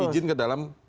ijin ke dalam